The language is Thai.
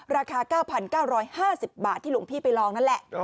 ราคา๙๙๕๐บาทที่หลวงพี่ไปลองนั่นแหละ